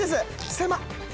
狭っ！